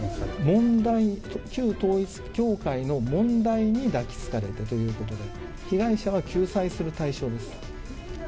問題、旧統一教会の問題に抱きつかれてということで、被害者は救済する対象です。